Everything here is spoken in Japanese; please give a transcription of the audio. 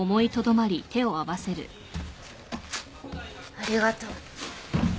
ありがとう。